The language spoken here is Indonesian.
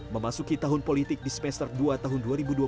memasuki tahun politik di semester dua tahun dua ribu dua puluh